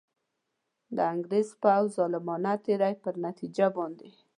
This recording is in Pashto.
د انګرېز پوځ ظالمانه تېري پر نتیجه باندي.